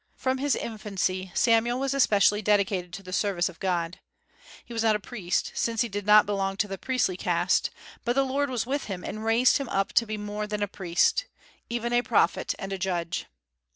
From his infancy Samuel was especially dedicated to the service of God. He was not a priest, since he did not belong to the priestly caste; but the Lord was with him, and raised him up to be more than priest, even a prophet and a judge.